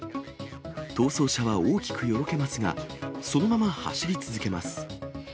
逃走車は大きくよろけますが、そのまま走り続けます。